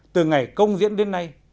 từ ngày công diễn đến nay